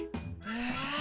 へえ。